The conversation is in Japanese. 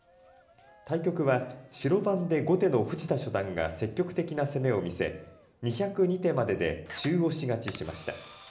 対局は白番で後手の藤田初段が積極的な攻めを見せ２０２手までで中押し勝ちしました。